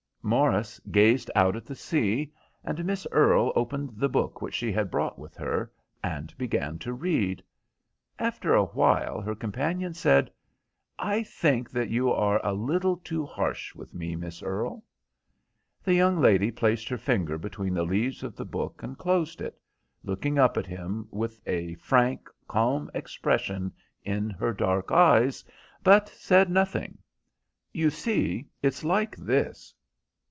Morris gazed out at the sea, and Miss Earle opened the book which she had brought with her, and began to read. After a while her companion said— "I think that you are a little too harsh with me, Miss Earle." The young lady placed her finger between the leaves of the book and closed it, looking up at him with a frank, calm expression in her dark eyes, but said nothing. "You see, it's like this.